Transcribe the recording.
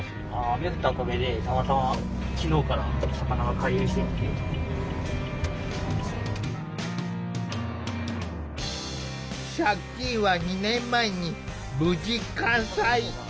借金は２年前に無事完済。